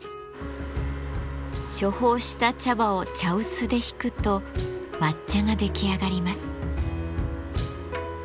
処方した茶葉を茶臼でひくと抹茶が出来上がります。